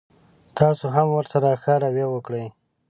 تاسو هم ورسره ښه رويه وکړئ.